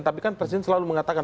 tapi kan presiden selalu mengatakan